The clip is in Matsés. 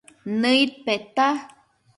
Nëid peta